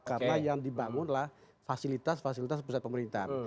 karena yang dibangunlah fasilitas fasilitas pusat pemerintahan